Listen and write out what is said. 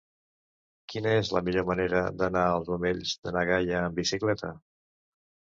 Quina és la millor manera d'anar als Omells de na Gaia amb bicicleta?